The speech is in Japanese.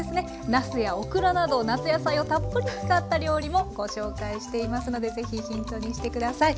なすやオクラなど夏野菜をたっぷり使った料理もご紹介していますのでぜひヒントにして下さい。